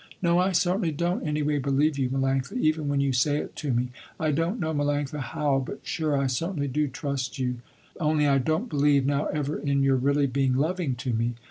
"No I certainly don't any way believe you Melanctha, even when you say it to me. I don't know Melanctha how, but sure I certainly do trust you, only I don't believe now ever in your really being loving to me.